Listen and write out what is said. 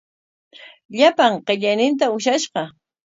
Llapan qillayninta ushashqa.